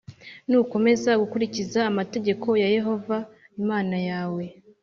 nukomeza gukurikiza amategeko+ ya yehova imana yawe